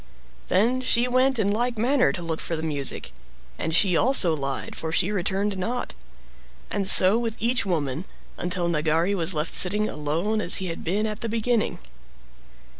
Then she went in like manner to look for the music. And she also lied, for she returned not. And so with each woman, until Nagari was left sitting alone as he had been at the beginning.